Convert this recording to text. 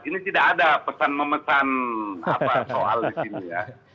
ini tidak ada pesan memesan soal di sini ya